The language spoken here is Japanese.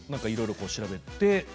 いろいろ調べて？